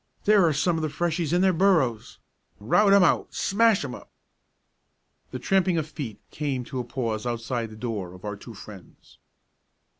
There are some of the Freshies in their burrows. Rout 'em out! Smash 'em up!" The tramping of feet came to a pause outside the door of our two friends.